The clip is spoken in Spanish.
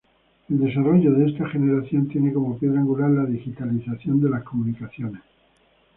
El desarrollo de esta generación tiene como piedra angular la digitalización de las comunicaciones.